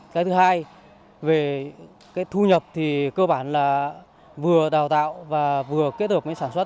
cái thứ hai về cái thu nhập thì cơ bản là vừa đào tạo và vừa kết hợp với sản xuất